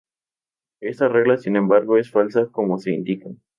Esta regla, sin embargo, es falsa como se indica.